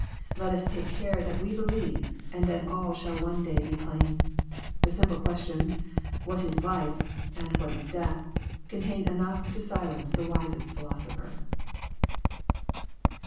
Let us take care that we believe, and then all shall one day be plain. The simple questions, *' What is life, and what is death?" contain enough to silence the wisest philosopher.